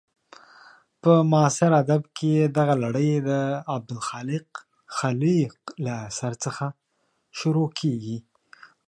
په معاصر ادب کې دغه لړۍ د عبدالخالق خلیق له اثر څخه شروع کېږي.